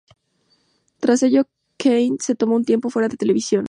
Tras aquello, Kane se tomó un tiempo fuera de televisión.